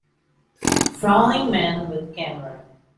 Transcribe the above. Frowning man with camera.